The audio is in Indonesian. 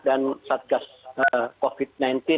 dan satgas covid sembilan belas